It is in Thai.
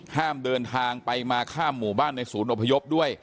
ห้ามเดินทางไปมาข้ามหมู่บ้านในศูนย์อพยพด้วย